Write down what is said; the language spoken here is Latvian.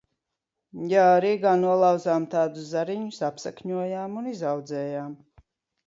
Jā, Rīgā nolauzām tādus zariņus, apsakņojām un izaudzējām.